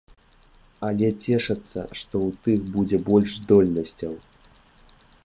Але цешацца, што ў тых будзе больш здольнасцяў.